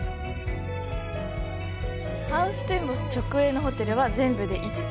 ハウステンボス直営のホテルは全部で５つ。